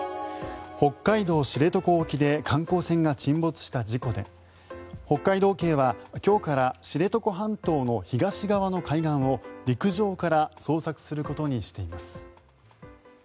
北海道・知床沖で観光船が沈没した事故で北海道警は今日から知床半島の東側の海岸を陸上から捜索することにしています。